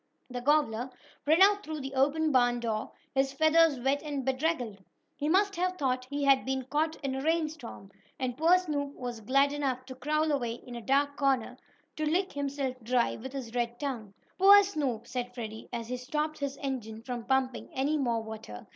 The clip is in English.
The gobbler ran out through the open barn door, his feathers wet and bedraggled. He must have thought he had been caught in a rainstorm. And poor Snoop was glad enough to crawl away in a dark corner, to lick himself dry with his red tongue. "Poor Snoop!" said Freddie, as he stopped his engine from pumping any more water.